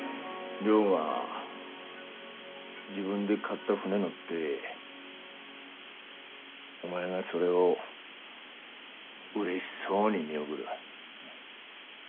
亮が自分で買った船乗ってお前がそれをうれしそうに見送る。